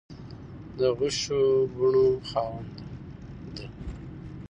د غشو بڼو خاونده ده